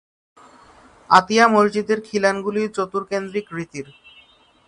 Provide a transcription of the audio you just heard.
আতিয়া মসজিদের খিলানগুলি চতুর্কেন্দ্রিক রীতির।